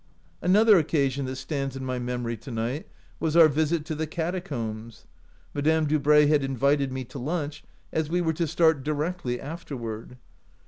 " Another occasion that stands out in my memory to night was our visit to the cata combs. Madame Dubray had invited me to lunch, as we were to start directly after ward.